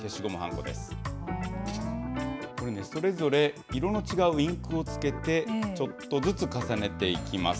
これね、それぞれ色の違うインクをつけて、ちょっとずつ重ねていきます。